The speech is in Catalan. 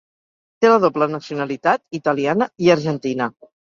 Té la doble nacionalitat italiana i argentina.